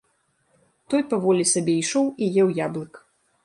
Той паволі сабе ішоў і еў яблык.